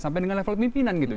sampai dengan level pimpinan gitu